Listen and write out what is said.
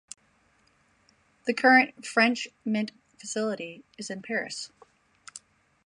The current French mint facility is in Paris.